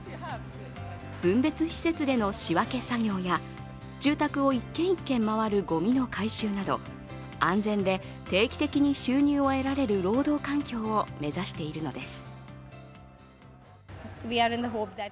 分別施設での仕分け作業や住宅を１軒１軒回るごみの回収など、安全で定期的に収入を得られる労働環境を目指しているのです。